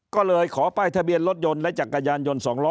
ก็เลยขอป้ายทะเบียนรถยนต์และจักรยานยนต์๒ล้อ